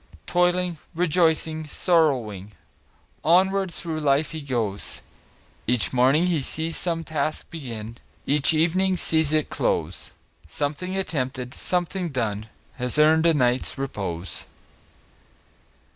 Toiling, rejoicing, sorrowing, Onward through life he goes; Each morning sees some task begin, Each evening sees it close Something attempted, something done, Has earned a night's repose.